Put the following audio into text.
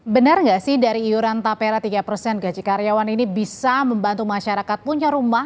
benar nggak sih dari iuran tapera tiga persen gaji karyawan ini bisa membantu masyarakat punya rumah